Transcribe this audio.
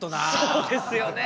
そうですよね。